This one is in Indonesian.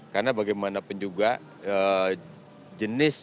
karena bagaimanapun juga jenis